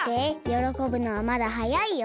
よろこぶのはまだはやいよ。